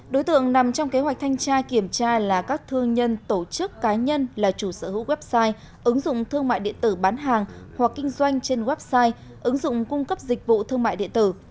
đối tượng nằm trong kế hoạch thanh tra kiểm tra là các thương nhân tổ chức cá nhân là chủ sở hữu website ứng dụng thương mại điện tử bán hàng hoặc kinh doanh trên website ứng dụng cung cấp dịch vụ thương mại điện tử